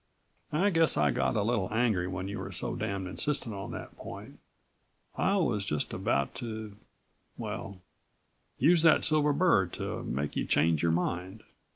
"I guess I got a little angry when you were so damned insistent on that point. I was just about to well, use that silver bird to make you change your mind.